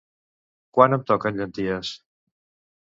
Quan em toquen llenties?